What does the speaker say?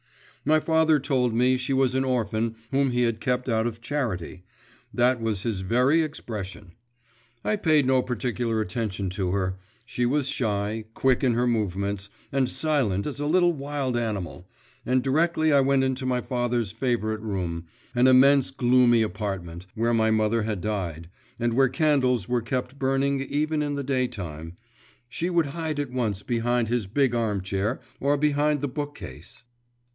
My father told me she was an orphan whom he had kept out of charity that was his very expression. I paid no particular attention to her; she was shy, quick in her movements, and silent as a little wild animal, and directly I went into my father's favourite room an immense gloomy apartment, where my mother had died, and where candles were kept burning even in the daytime she would hide at once behind his big arm chair, or behind the book case.